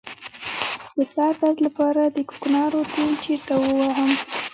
د سر درد لپاره د کوکنارو تېل چیرته ووهم؟